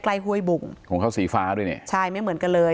ห้วยบุงของเขาสีฟ้าด้วยเนี่ยใช่ไม่เหมือนกันเลย